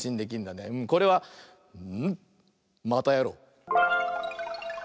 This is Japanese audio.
これは。またやろう！